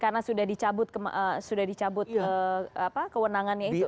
karena sudah dicabut kewenangannya itu